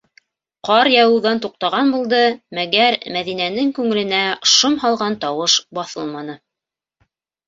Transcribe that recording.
Ҡар яуыуҙан туҡтаған булды, мәгәр Мәҙинәнең күңеленә шом һалған тауыш баҫылманы...